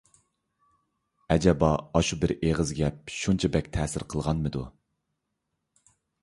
ئەجەبا ئاشۇ بىر ئېغىز گەپ شۇنچە بەك تەسىر قىلغانمىدۇ؟